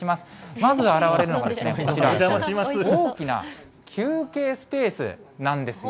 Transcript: まず現れるのが、こちら、大きな休憩スペースなんですよ。